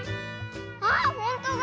あっほんとだ！